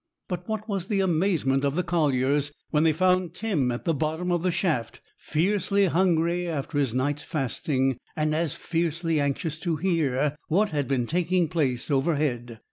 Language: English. But what was the amazement of the colliers when they found Tim at the bottom of the shaft, fiercely hungry after his night's fasting, and as fiercely anxious to hear what had been taking place overhead.